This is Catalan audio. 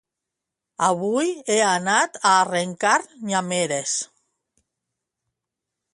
Avui he anat a arrencar nyàmeres